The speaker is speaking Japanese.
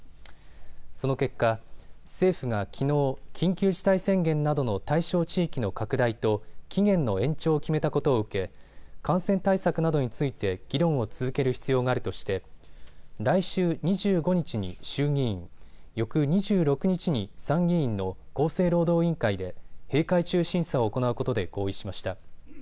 その結果、政府がきのう、緊急事態宣言などの対象地域の拡大と期限の延長を決めたことを受け、感染対策などについて議論を続ける必要があるとして来週２５日に衆議院、翌２６日に参議院の厚生労働委員会で閉会中審査を行うことで合意しました。